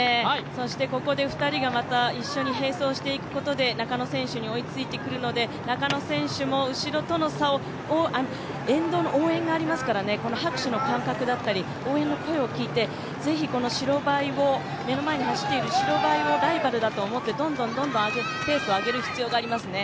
そして、ここで２人がまた一緒に並走していくことで中野選手に追いついてくるので中野選手も後ろとの差を、沿道の応援がありますからね、拍手の感覚だったり応援の声を聞いてぜひ、目の前に走っている白バイをライバルだと思ってどんどんどんどんペースを上げる必要がありますね。